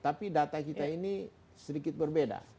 tapi data kita ini sedikit berbeda